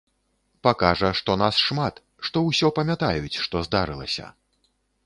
Пакажа, што нас шмат, што ўсё памятаюць, што здарылася.